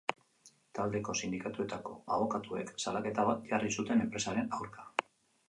Taldeko sindikatuetako abokatuek salaketa bat jarri zuten enpresaren aurka.